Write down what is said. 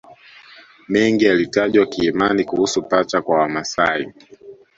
Mengi yalitajwa kiimani kuhusu pacha kwa Wamasai